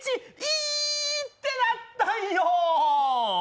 亥ーってなったんよ。